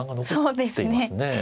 そうですね。